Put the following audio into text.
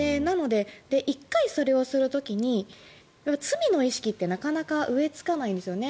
１回、それをする時に罪の意識ってなかなか植えつかないんですよね。